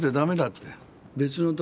って。